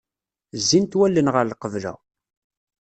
Zzint wallen ɣer lqebla.